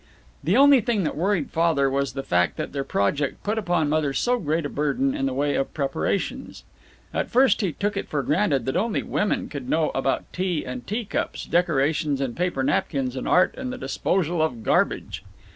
The only thing that worried Father was the fact that their project put upon Mother so great a burden in the way of preparations. At first he took it for granted that only women could know about tea and tea cups, decorations and paper napkins and art and the disposal of garbage.